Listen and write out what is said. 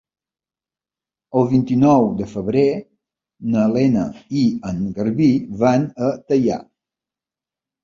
El vint-i-nou de febrer na Lena i en Garbí van a Teià.